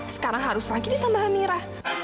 sekarang harus lagi ditambah mirah